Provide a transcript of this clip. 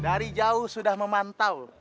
dari jauh sudah memantau